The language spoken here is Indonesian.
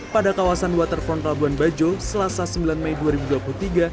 pada kawasan waterfront labuan bajo selasa sembilan mei dua ribu dua puluh tiga